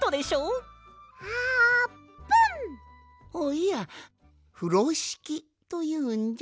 いや「ふろしき」というんじゃ。